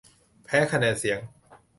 แพ้คะแนนเสียง